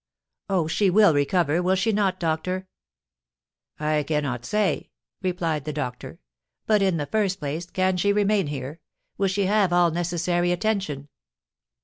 Oh, she will recover, will she not, doctor?" "I cannot say," replied the doctor. "But, in the first place, can she remain here? Will she have all necessary attention?"